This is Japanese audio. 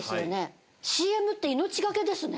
ＣＭって命懸けですね。